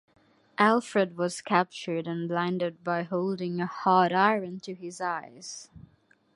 Alfred was captured and blinded by holding a hot iron to his eyes.